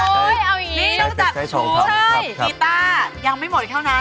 โอ๊ยตายแล้วโอ๊ยเอาอย่างงี้ต้องจักรสุทธิ์ใช่คิตายังไม่หมดเท่านั้น